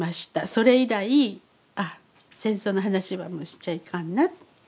それ以来ああ戦争の話はもうしちゃいかんなと思いました。